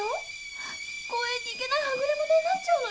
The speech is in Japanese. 公園に行けないはぐれものになっちゃうのよ？